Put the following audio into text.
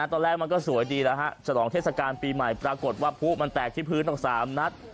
ตอนแรกมันก็สวยดีแล้วฮะฉลองเทศกาลปีใหม่ปรากฏว่าผู้มันแตกที่พื้นต้อง๓นัด